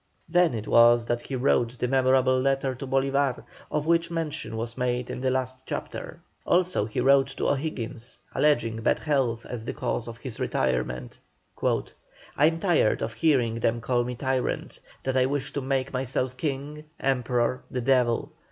Then it was that he wrote the memorable letter to Bolívar, of which mention was made in the last chapter. Also he wrote to O'Higgins, alleging bad health as the cause of his retirement: "I am tired of hearing them call me tyrant, that I wish to make myself King, Emperor, the Devil.